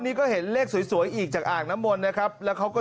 นี่ก็เห็นเลขสวยสวยอีกจากอ่างน้ำมนต์นะครับแล้วเขาก็